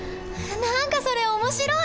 何かそれ面白い！